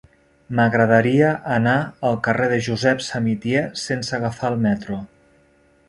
M'agradaria anar al carrer de Josep Samitier sense agafar el metro.